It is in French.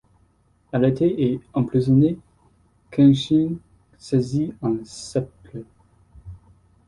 Arrêté et emprisonné, Kenshin saisit un sceptre.